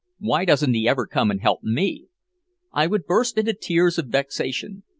Why doesn't he ever come and help me?" I would burst into tears of vexation.